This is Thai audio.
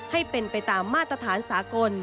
ให้เป็นไปตามมาตรฐานสากล